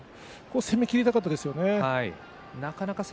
攻めきりたかったですよね。